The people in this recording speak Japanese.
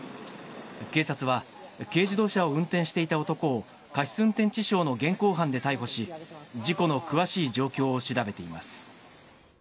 警察は、軽自動車を運転していた男を過失運転致傷の現行犯で逮捕し、事故の詳しい状況を調べています。